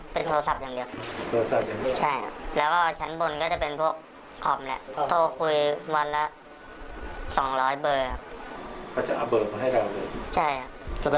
แสดงว่ามันก็จะมีคนไทยขายเบอร์ให้เขาไป